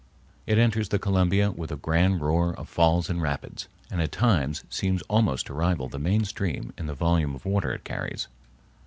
It enters the Columbia with a grand roar of falls and rapids, and at times seems almost to rival the main stream in the volume of water it carries.